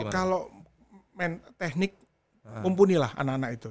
kalau main teknik mumpuni lah anak anak itu